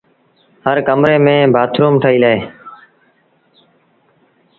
هر ڪمري ميݩ بآٿروم ٺهيٚل اهي۔